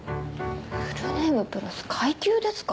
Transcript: フルネームプラス階級ですか？